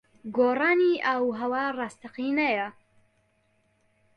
گۆڕانی ئاووھەوا ڕاستەقینەیە.